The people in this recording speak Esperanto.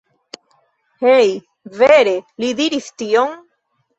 Hej? Vere? Li diris tion?